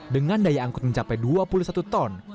dengan daya angkut mencapai dua puluh satu ton